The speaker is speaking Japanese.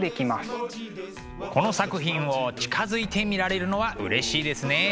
この作品を近づいて見られるのはうれしいですね。